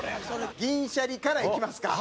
銀シャリからいきますか。